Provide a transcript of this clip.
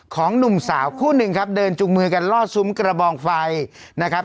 ของหนุ่มสาวคู่หนึ่งครับเดินจุงมือกันล่อซุ้มกระบองไฟนะครับ